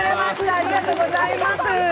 ありがとうございます。